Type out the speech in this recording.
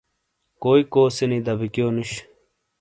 کوئی کوسے نی دبہ کیو نوش ؟